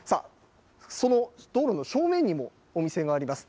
その道路の正面にもお店があります。